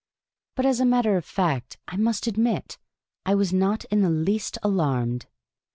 But, as a matter of fact, I must admit I was not in the least alarmed.